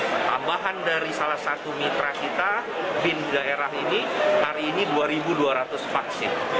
tambahan dari salah satu mitra kita bin daerah ini hari ini dua dua ratus vaksin